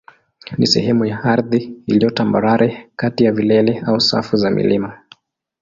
ni sehemu ya ardhi iliyo tambarare kati ya vilele au safu za milima.